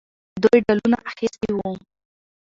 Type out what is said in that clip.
دوی ډالونه اخیستي وو.